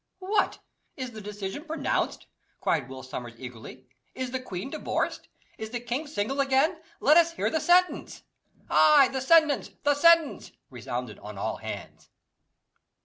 "What! is the decision pronounced?" cried Will Sommers eagerly. "Is the queen divorced? Is the king single again? Let us hear the sentence." "Ay, the sentence! the sentence!" resounded on all hands.